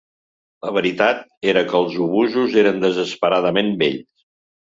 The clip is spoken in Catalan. La veritat era que els obusos eren desesperadament vells